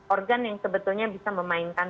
organ yang sebetulnya bisa memainkan